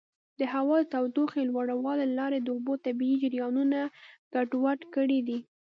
د هوا د تودوخې لوړوالي له لارې د اوبو طبیعي جریانونه ګډوډ کړي دي.